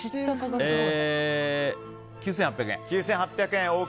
９８００円。